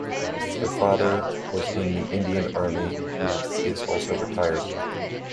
Her father was in the Indian Army who is also retired.